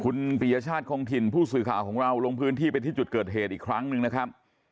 คุณปียชาติคงถิ่นผู้สื่อข่าวของเราลงพื้นที่ไปที่จุดเกิดเหตุอีกครั้งหนึ่งนะครับ